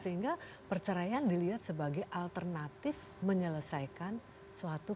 sehingga perceraian dilihat sebagai alternatif menyelesaikan suatu